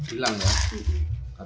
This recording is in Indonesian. ini yang baru itu ini didiamkan